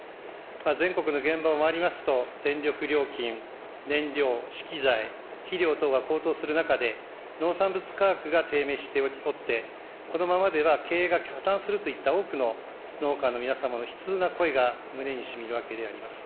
全国の現場を回りますと、電力料金、燃料、資機材、肥料等が高騰する中で、農産物価格が低迷しておって、このままでは経営が破綻するといった多くの農家の皆様の悲痛な声が胸にしみるわけであります。